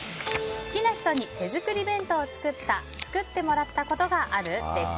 好きな人に手作り弁当を作った・作ってもらったことがある？です。